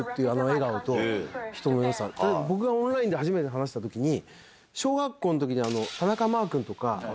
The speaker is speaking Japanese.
僕がオンラインで初めて話した時に。